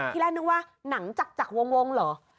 ที่แรกนึกว่าหนังจากวงเหรอ